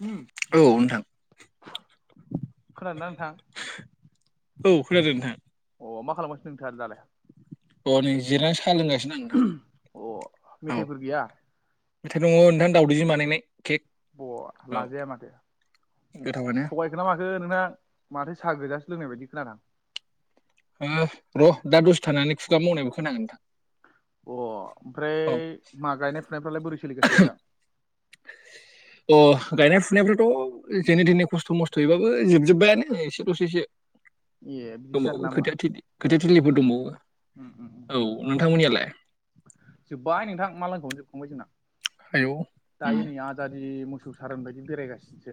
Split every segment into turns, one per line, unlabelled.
उम
औ नोंथां।
खोनादोंना नोंथां
औ खोनादों नोंथां।
अ मा खालामगासिनो नोंथांआलाय दालाय?
अ नै जिरायनानै साह लोंगासिनो आं
अ
नोंथां औ।
मेथाइफोर गैया
मेथाइ दङ नोंथां दावदैजों बानायनाय केक।
ब
औ
लाजाया माथो
गोथावानो
थगाय खोना माखो नोंथां माथो साह गोजासो लोंनाय बायदि खोनादां?
ओ र' दा दसे थानानै खुगा मावनायबो खोनागोन नोंथां।
अ ओमफ्राय मा गायनाय फुनायफ्रालाय बोरै सोलिगासिनो नोंथां?
अ गायनाय फुनायफ्राथ' जेने थेने खस्थ' मस्थ'यैबाबो जोबजोबबायानो एसे ल'सैसो।
ए बिदिसो आरोना
दंबावो
होमबा
खोथिया थिलि खोथिया थिलिफोर दंबावो। औ नोंथांमोननियालाय?
जोबबाय नोंथां मा लांखायावनो जोबखांबाय जोंना।
आयौ उम
दायो नै आजादि मोसौ सारोन बायदि बेरायगासिनोसो।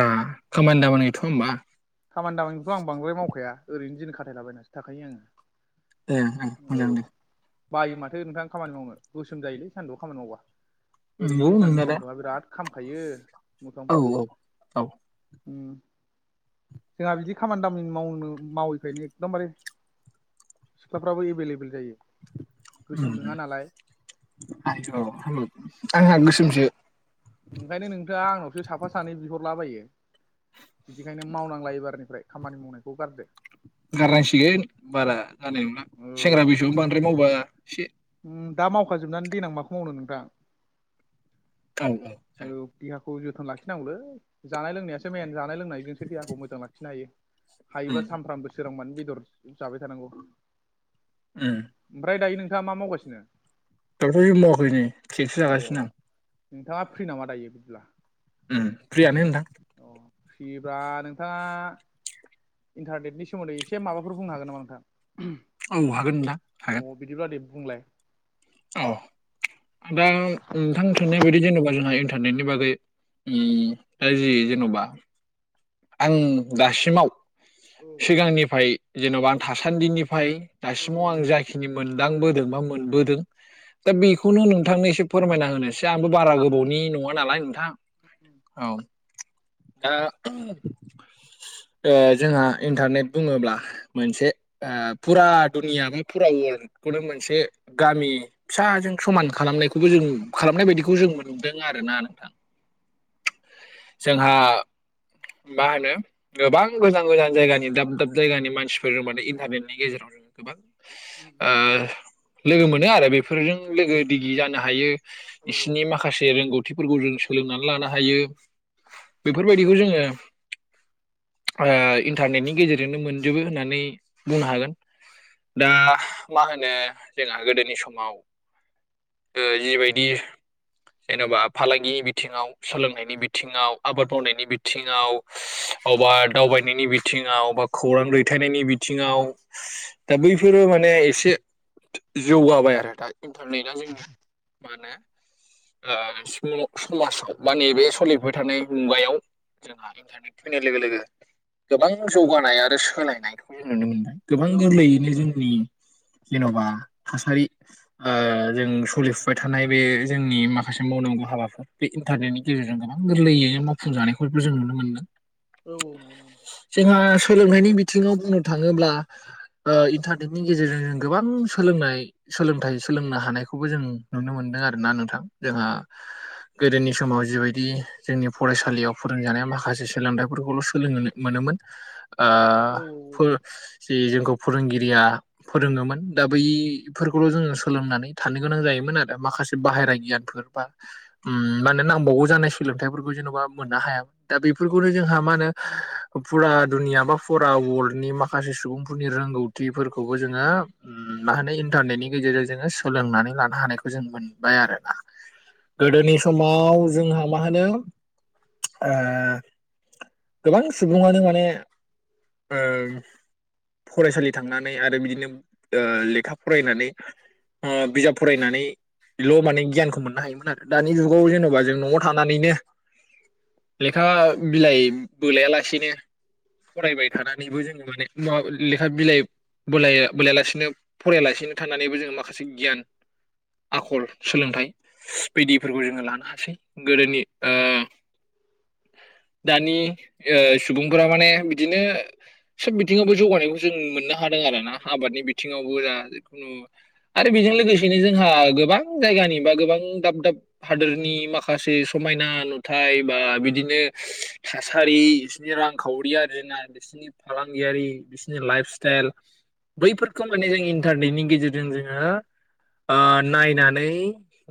ओ खामानि दामानि गैथ'आ होमबा?
खामानि दामानिथ' आं बांद्राय मावखाया ओरैनो दिन खाथायलाबायनासो थाखायो आङो।
ए ए
औ
मोजां दे
बायो माथो नोंथां खामानि मावनो गोसोम जायोलै सान्दुंआव खामानि मावबा। ओरैनो
नंगौ
दैज्लांनि
नोंना दा
सान्दुंआ बिराद खामखायो
औ औ औ
मोखांफ्राव उम। जोंहा बिदि खामानि दामानि मावनो मावैखायनो एकदमबारे सिख्लाफ्राबो एभेलेबेल जायो गोसोम
उम
नोङा नालाय।
आंहा गोसोमसो।
ओंखायनो नोंथाङा आंनावसो साफा सानै बिहरलाबायो बिदिखायनो। मावनांला एबारनिफ्राय खामानि मावनायखौ गारदो।
गारनांसिगोन बारा जानाय नंला
औ
सेंग्रा बैसोआवनो बांद्राय मावबा एसे
उम दा मावखाजोबनानै देनां माखौ मावनो नोंथां।
[inaudible]
औ देहाखौ जोथोन लाखिनांगौलै जानाय लोंनायासो सो मेन जानाय लोंनायजोंसो देहाखौ मोजां लाखिनो हायो हायोबा
उम
सामफ्रामबो सोरांबानो बेदर जाबाय थानांगौ उम ओमफ्राय दायो नों थाङा मा मावगासिनो?
दाथ' जेबो मावाखै नै केकसो
अ।
जागासिनो आं
नोंथाङा फ्रि नामा दायो बिदिला?
फ्रियानो नोंथां।
अ फ्रिबा नोंथाङा इन्टारनेटनि सोमोन्दै एसे माबाफोर बुंनो हागोन नामा नोंथां?
औ हागोन नोंथां हागोन।
अ बिदिब्ला दे बुंलाय।
औ दा नोंथां सोंनाय बायदि जेन'बा जोंहा इन्टारनेटनि बागै ओम दा जि जेन'बा आं दासिमाव
औ
सिगांनिफाय जेन'बा आं थासान्दिनि फाय दासिमाव आं जाखिनि मोनदांबोदों बा मोनबोदों दा बेखौनो नोंथांनो एसे फोरमायना होनोसै आंबो बारा गोबावनि नङा नालाय नोंथां। औ दा ओ जोंहा इन्टारनेट बुङोब्ला मोनसे आ फुरा दुनिया बा फुरा वर्ल्डखौनो मोनसे गामि फिसाजों समान खालामनायखौबो जों खालामनाय बायदिखौ जों मोनदों आरोना नोंथां।
[inaudible]
जोंहा मा होनो गोबां गोजान गोजान जायगानि दाब दाब जायगानि मानसिफोरजों माने इन्टारनेटनि गेजेराव जों गोबां ओ लोगो मोनो आरो बेफोरजों लोगो दिगि जानो हायो बिसिनि माखासे रोंगौ खानथिफोरखौ जों सोलोंनानै लानो हायो बेफोरबायदिखौ जोङो आ इन्टारनेटनि गेजेरजोंनो मोनजोबो होननानै बुंनो हागोन दा मा होनो जोंहा गोदोनि समाव ओ जिबायदि जेन'बा फालांगिनि बिथिङाव सोलोंनायनि बिथिङाव आबाद मावनायनि बिथिङाव अबा दावबायनायनि बिथिङाव बा खौरां दैथायनायनि बिथिङाव दा बैफोरो माने एसे जौगाबाय आरो दा इन्टारनेटआ जोंनि मा होनो समाजाव मा नैबे सलिबाय थानाय मुगायाव जोंहा इन्टारनेट फैनाय लोगो लोगो गोबां जौगानाय आरो सोलायनायखौ जों नुनो मोनबाय गोबां
नंगौ नंगौ
गोरलैयैनो
नोंथां
जोंनि जेन'बा थासारि ओ जों सोलिफुबाय थानाय बे जोंनि माखासे मावनांगौ हाबाफोर इन्टारनेटनि गेजेरजों गोबां गोरलैयैनो मावफुंजानायखौबो जों नुनो मोनदों
औ औ नं' नङा
जोंहा सोलोंथाइनि बिथिङाव बुंनो थाङोब्ला इन्टारनेटनि गेजेरजों जों गोबां सोलोंनाय सोलोंथाइ सोलोंनो हानायखौबो जों नुनो मोनदों आरोना नोंथां जोंहा गोदोनि समाव जिबायदि जोंनि फरायसालियाव फोरोंजानाया माखासे माखासे सोलोंथाइफोरखौल' सोलोंनो मोनोमोन
औ
आ जि जोंखौ फोरोंगिरिया फोरोङोमोन दा बैफोरखौल' जोङो सोलोंनानै थानो गोनां जायोमोन आरो माखासे बाहेरा गियान बा माना नांबावगौ जानाय सोलोंथाइफोरखौ जेन'बा मोननो हाया दा बेफोरखौनो जोंहा मा होनो फुरा दुनिया बा फुरा वर्ल्डनि माखासे सुबुंफोरनि रोंगौथि फोरखौबो जोङो मा होनो इन्टारनेटनि गेजेरजों जोङो सोलोंनानै लानो हानायखौ जों मोनबाय आरो ना गोदोनि समाव जोंहा मा होनो ओ गोबां सुबुङानो माने फरायसालि थांनानै आरो बिदिनो ओ लेखा फरायनानै बिजाब फरायनानै बेल' माने गियानखौ मोननो हायोमोन आरो दानि जुगाव जेन'बा जों न'आव थानानैनो लेखा बिलाइ बोलायालासेनो फरायबाय थानानैबो जोङो माने म लेखा बिलाइ बोया बोलायालासिनो फरायालासिनो थानानैबो जोङो माखासे गियान आखल सोलोंथाइ पिदिफोरखौ जोङो लानो हासै गोदोनि दानि ओ सुबुंफोरा माने बिदिनो सब बिथिङावबो जौगानायखौ जों मोननो हादों आर ना आबादनि बिथिङावबो दा जिखुनु आरो बेजों लोगोसेनो जोंहा गोबां जायगानि बा गोबां दाब दाब हादोरनि माखासे समायना नुथाय बा बिदिनो थासारि बिसिनि रां खावरि आरो जोंना बिसिनि फालांगियारि बिसनि लाइ स्ताइल बैफोरखौ माने इन्टारनेटनि गेजेरजों जोङो नायनानै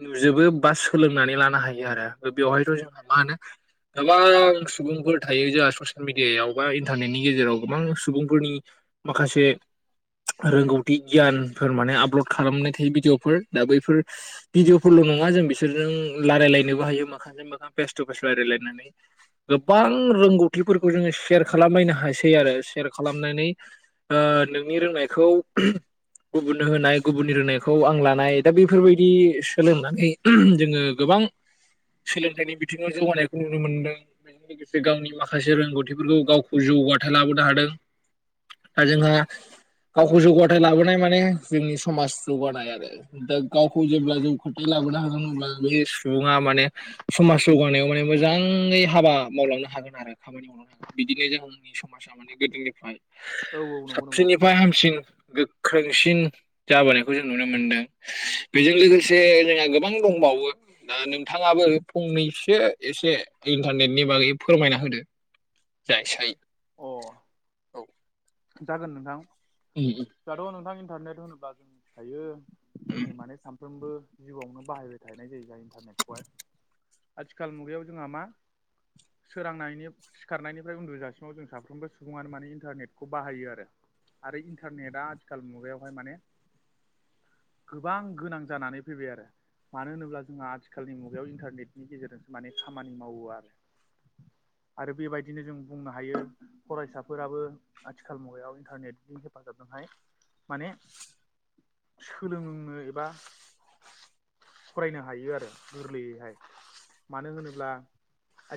नुजोबो बा सोलोंनानै लानो हायो आरो बेवहायथ' जोंहा मा होनो गोबां सुबुंफोर थायो जोंहा ससियेल मिडियायाव बा इन्टारनेटनि गेजेराव गोबां सुबुंफोरनि माखासे रोंगौथि गियानफोर माने आपल'ड खालामनाय थायो भिडिअफोर दा बैफोर भिडिअफोरल' नङा जों बिसोरजों रायलायलायनोबो हायो मोखांजों मोखां फेस टु फेस रायलायलायनानै गोबां रोंगौथिफोरखौ जोङो सेयार खालामलायनो हासै आरो सेयार खालामनानै नोंनि रोंनायखौ गुबुननो होनाय गुबुननि रोंनायखौ आं लानाय दा बेफोरबायदि सोलोंनानै जोङो गोबां सोलोंथाइनि बिथिङाव जौगानायखौ नु नुनो मोनदों बेजों लोगोसे गावनि माखासे रोंगौथिफोरखौ गावखौ जौगाथाय लाबोनो हादों। दा जोंहा गावखौ जौगाथाय लाबोनाय माने जोंनि समाज जौगानाय आरो। दा गावखौ जेब्ला जौगाथाय लाबोनो हागोन अब्ला बे सुबुङा माने समाज जौगानायाव माने मोजाङै हाबा मावलांनो हागोन आरो खामानि मावलांनो हागोन बिदिनो जोंनि समाजा माने गोदोनिफ्राय
औ औ नंगौ नंगौ
साबसिन निफ्राय हामसिन गोख्रोंसिन जाबोनायखौ जों नुनो मोनदों। बेजों लोगोसे जोंहा गोबां दंबावो दा नोंथाङाबो फंनैसो एसे इन्टारनेटनि बागै फोरमायना होदो जाय एसे हायो।
अ' जागोन नोंथां।
उम उम।
दाथ' नोंथां इन्टारनेट होनोब्ला जों मिथिखायो जोंनि माने सानफ्रोमबो जिउआवनो बाहायबाय थानाय जायो जोंहा इन्टारनेटखौहाय। आथिखाल मुगायाव जोंहा मा सोरांनायनि सिखारनायनिफ्राय उन्दुजासिमाव जों साफ्रोमबो सुबुङानो माने इन्टारनेट खौ बाहायो आरो। आरो इन्टारनेटआ आथिखाल मुगायाव हाय माने गोबां गोनां जानानै फैबाय आरो। मानो होनोब्ला जोंहा आथिखालनि मुगायाव इन्टारनेटनि गेजेरजोंसो माने खामानि मावो आरो। आरो बेबायदिनो जों बुंनो हायो फरायसाफोराबो आथिखाल मुगायाव इन्टारनेटनि हेफाजाबजों हाय माने सोलोंनो एबा फरायनो हायो आरो गोरलैयैहाय। मानो होनोब्ला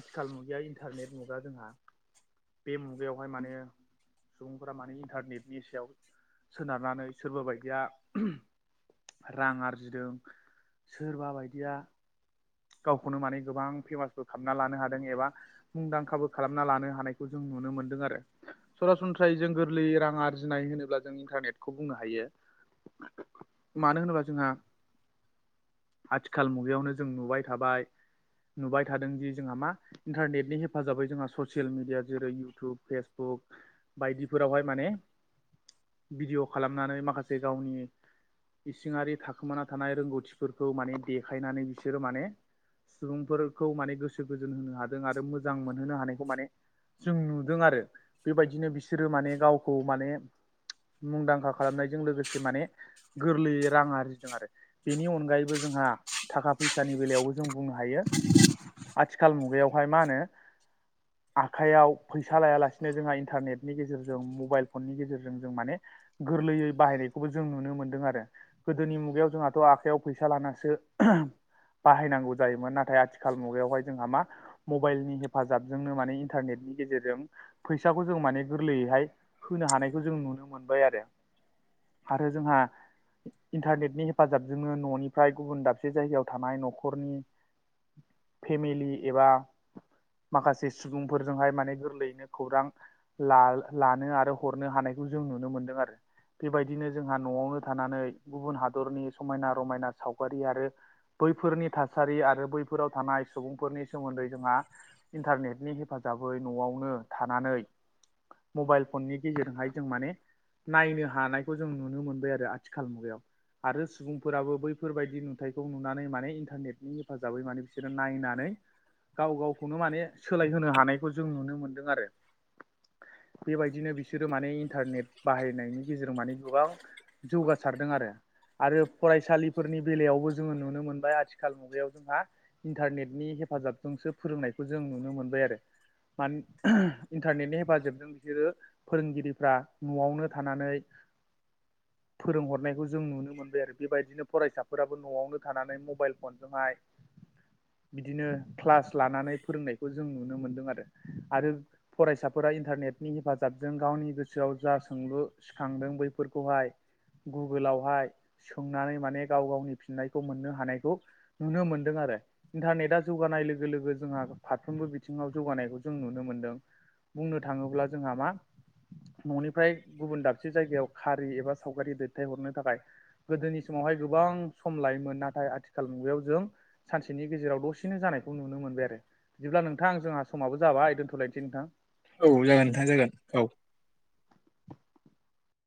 आथिखाल मुगाया इन्टारनेट मुगा जोंहा। बे मुगायावहाय माने सुबुंफोरा माने इन्टारनेटनि सायाव सोनारनानै सोरबा बायदिया रां आरजिदों सोरबा बायदिया गावखौनो माने गोबां पेमासबो खालामना लानो हादों एबा मुंदांखाबो खालामना लानो हानायखौ जों नुनो मोन्दों आरो। सरासनस्रायै जों गोरलैयै रां आरजिनाय होनोब्ला जों इन्टारनेटखौ बुंनो हायो। मानो होनोबा जोंहा, आथिखाल मुगायावनो जों नुबाय थाबाय, नुबाय थादोंदि जोंहा मा इन्टारनेटनि हेफाजाबै जोंहा ससियेल मिडिया, जेरै इयउटुब, फेसबुक बायदिफोराव हाय माने भिडिअ' खालामनानै माखासे गावनि इसिङारि थाखोमाना थानाय रोंग'थिफोरखौ माने देखायनानै बि सोरो माने सुबुंफोरखौ माने गोसो गोजोन होनो हादों आरो मोजां मोनहोनो हानायखौ माने जों नुदों आरो बेबायदिनो बिसोरो माने गावखौ माने मुंदांखा खालामनायजों लोगोसे माने गोरलैयै रां आरजिदों आरो। बेनि अनगायैबो जोंहा थाखा फैसानि बेलायावबो जों बुंनो हायो, आथिखाल मुगायाव हाय मा होनो आखाइयाव फैसा लायालासिनो जोंहा इन्टारनेटनि गेजेरजों मबाइल फननि गेजेरजों जों माने गोरलैयै बाहायनायखौबो जों नुनो मोन्दों आरो। गोदोनि मुगायाव जोंहाथ' आखाइयाव फैसा लानासो बाहायनांगौ जायोमोन नाथाय आथिखाल मुगायाव हाय जोंहा मा मबाइलनि हेफाजाबजोंनो माने इन्टारनेटनि गेजेरजों फैसाखौ जों माने गोरलैयै हाय होनो हानायखौ जों नुनो मोनबाय आरो। आरो जोंहा इन्टारनेटनि हेफाजाबजोंनो न'निफ्राय गुबुन दाबसे जायगायाव थानाय न'खरनि फेमिलि एबा माखासे सुबुंफोरजोंहाय माने गोरलैयैनो खौरां ला-लानो आरो हरनो हानायखौ जों नुनो मोनदों आरो। बेबायदिनो जोंहा न'आवनो थानानै गुबुन हादरनि समायना रमायना सावगारि आरो बैफोरनि थासारि आरो बैफोराव थानाय सुबुंफोरनि सोमोन्दै जोंहा इन्टारनेटनि हेफाजाबै न'आवनो थानानै मबाइल फननि गेजेरजोंहाय जों माने नायनो हानायखौ जों नुनो मोनबाय आरो आथिखाल मुगायाव आरो सुबुं फोराबो बैफोरबायदि नुथायखौ नुनानै माने इन्टारनेटनि हेफाजाबै माने बिसोरो नायनानै गाव गावखौनो माने सोलाय होनो हानायखौ जों नुनो मोनदों आरो। बेबायदिनो बिसोरो माने इन्टारनेट बाहायनायनि गेजेराव माने गोबां जौगासारदों आरो। आरो फरायसालिफोरनि बेलायावबो जोङो नुनो मोनबाय आथिखाल मुगायाव जोंहा इन्टारनेटनि हेफाजाबजोंसो फोरोंनायखौ जों नुनो मोनबाय आरो। मान इन्टारनेटनि हेफाजाबजों बिसोरो फोरोंगिरिफ्रा न'आवनो थानानै फोरोंहरनायखौ जों नुनो मोनबाय आरो बेबायदिनो फरायसाफोराबो नो थानानै मबाइल फनजोंहाय बिदिनो क्लास लानानै फोरोंनायखौ जों नुनो मोनदों आरो, आरो फरायसाफोरा इन्टारनेटनि हेफाजाबजों गावनि गोसोआव जा सोंलु सिखांदों बैफोरखौहाय गुगोलावहाय सोंनानै माने गाव गावनि नायखौ मोननो हानायखौ नुनो मोनदों आरो। इन्टारनेटा जौगानाय लोगो लोगो जोंहा फारफ्रोमबो बिथिङाव जौगानायखौ जों नुनो मोनदों। बुंनो थाङोब्ला जोंहा मा न'निफ्राय गुबुन दाबसे जायगायाव खारि एबा सावगारि दैथाय हरनो थाखाय गोदोनि समावहाय गोबां लायोमोन नाथाय आथिखाल मुगायाव जों सानसेनि गेजेराव दसेनो जानायखौ नुनो मोनबाय आरो। बिदिब्ला नोंथां जोंहा समावाबो जाबाय दोनथलायनोसै नोंथां।
औ जागोन नोंथाङां जागोन औ।